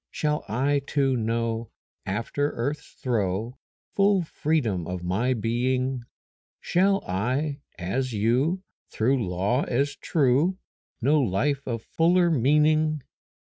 Shall I too know After earth's throe Full freedom of my being? Shall I, as you, Through law as true, Know life of fuller meaning?